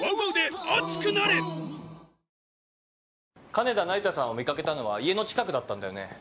金田那由他さんを見掛けたのは家の近くだったんだよね？